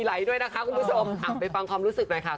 อาบไปบางความรู้สึกนี่ค่ะ